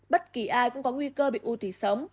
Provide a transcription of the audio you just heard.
bất kỳ ai cũng có nguy cơ bị u tỷ sống